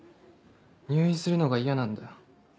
入院するのが嫌なんだよ。